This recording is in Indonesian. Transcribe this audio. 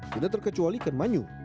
tidak terkecuali ikan manyu